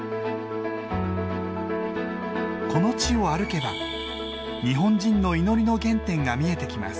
この地を歩けば日本人の祈りの原点が見えてきます。